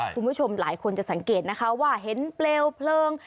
คุณผู้ชมหลายคนจะสังเกตนะคะว่าเห็นเปลวเพลิง